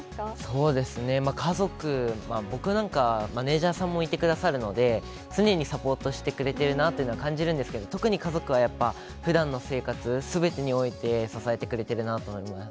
そうですね、家族、僕なんか、マネージャーさんもいてくださるので、常にサポートしてくれてるなというのは感じるんですけど、特に家族はやっぱ、ふだんの生活、すべてにおいて支えてくれてるなと思います。